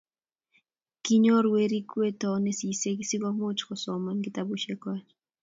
kinyoru werik weto nesisei sikomuch kusoman kitabusiek kwach